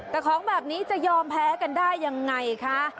แต่ของแบบนี้จะยอมแพ้กันได้ยังไงคะ